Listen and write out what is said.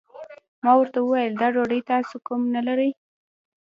ما ورته وويل دا ډوډۍ تاسو کوم نه لرئ؟